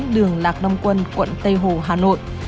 đường lạc đông quân quận tây hồ hà nội